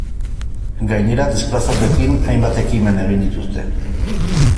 Gainera desplazatuekin hainbat ekimen egin dituzte.